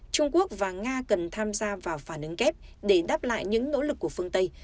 trung quốc và nga cần tham gia vào phản ứng kép để đáp lại những nỗ lực của phương tây